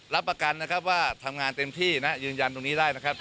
รับประกันนะครับว่าทำงานเต็มที่นะยืนยันตรงนี้ได้นะครับ